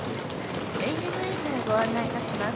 ＡＮＡからご案内いたします。